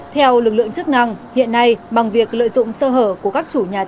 theo lực lượng chức năng hiện nay bằng việc lợi dụng sơ hở của các chủ nhà